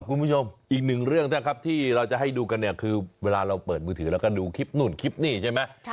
คุณผู้ชมอีกหนึ่งเรื่องนะครับที่เราจะให้ดูกันเนี่ยคือเวลาเราเปิดมือถือแล้วก็ดูคลิปนู่นคลิปนี่ใช่ไหม